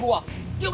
lihat dadoh nyepelin